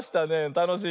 たのしいね。